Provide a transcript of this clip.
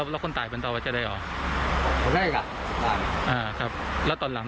วันตอน๓ทุ่มเดี๋ยวโทรไปเป็นไง